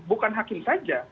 bukan hakim saja